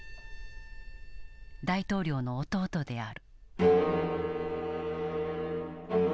大統領の弟である。